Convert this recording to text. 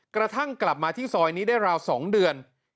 กระทั่งกลับมาที่ซอยนี้ได้ราว๒เดือน